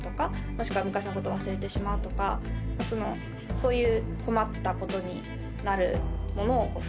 そういう。